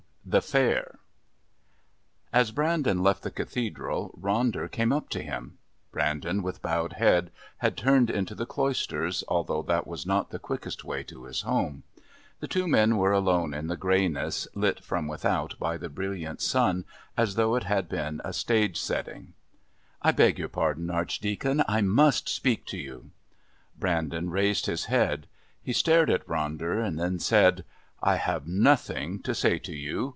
The Fair As Brandon left the Cathedral Ronder came up to him. Brandon, with bowed head, had turned into the Cloisters, although that was not the quickest way to his home. The two men were alone in the greyness lit from without by the brilliant sun as though it had been a stage setting. "I beg your pardon, Archdeacon, I must speak to you." Brandon raised his head. He stared at Ronder, then said: "I have nothing to say to you.